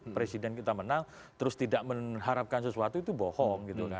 presiden kita menang terus tidak mengharapkan sesuatu itu bohong